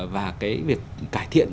và cái việc cải thiện